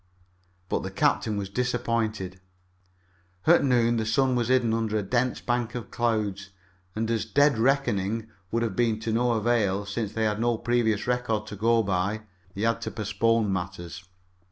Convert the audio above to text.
But the captain was disappointed. At noon the sun was hidden under a dense bank of clouds, and, as "dead reckoning" would have been of no avail, since they had no previous record to go by, he had to postpone matters.